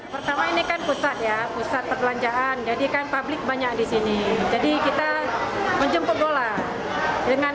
pertama ini kan pusat ya pusat perbelanjaan jadi kan publik banyak disini jadi kita menjemput bola dengan